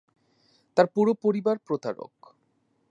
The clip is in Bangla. তার পুরো পরিবার প্রতারক।